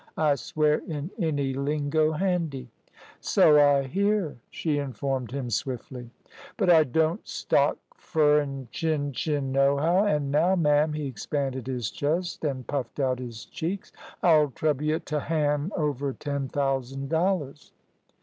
I swear in any lingo handy " "So I hear," she informed him swiftly. "But I don't stock furrein chin chin nowhow. An' now, ma'am" he expanded his chest and puffed out his cheeks "I'll trouble y' t' han' over ten thousand dollars."